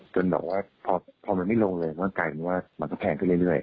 แบบว่าพอมันไม่ลงเลยก็กลายเป็นว่ามันก็แพงขึ้นเรื่อย